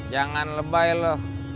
jangan lebay lo